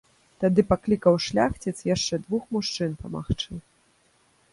Тады паклікаў шляхціц яшчэ двух мужчын памагчы.